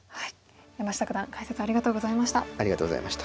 山下九段解説ありがとうございました。